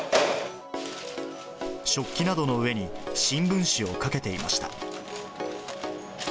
食器などの上に新聞紙をかけていました。